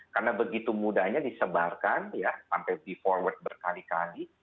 karena begitu mudahnya disebarkan ya sampai di forward berkali kali